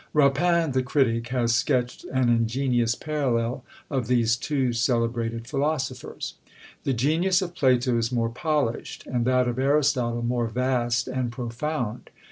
Rapin, the critic, has sketched an ingenious parallel of these two celebrated philosophers: "The genius of Plato is more polished, and that of Aristotle more vast and profound.